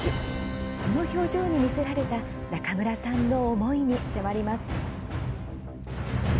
その表情に魅せられた中村さんの思いに迫ります。